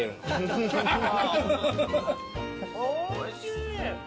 おいしい。